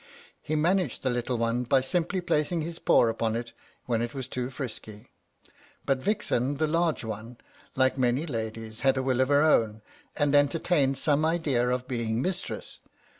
He managed the little one by simply placing his paw upon it when it was too frisky; but Vixen, the large one, like many ladies, had a will of her own, and entertained some idea of being mistress.